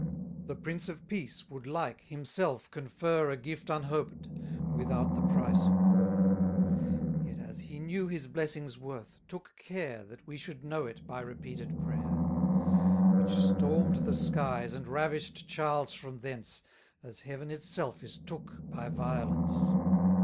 The Prince of peace would like himself confer A gift unhoped, without the price of war: 140 Yet, as he knew his blessing's worth, took care, That we should know it by repeated prayer; Which storm'd the skies, and ravish'd Charles from thence, As heaven itself is took by violence.